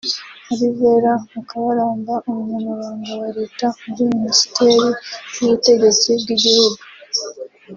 Alvera Mukabaramba Umunyamabanga wa Leta muri Minisiteri y’Ubutegetsi bw’Igihugu